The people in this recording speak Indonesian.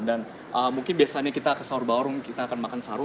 mungkin biasanya kita ke sahur bareng kita akan makan sahur